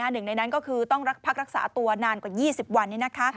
หนึ่งในนั้นก็คือต้องพักรักษาตัวนานกว่า๒๐วันนี้นะคะ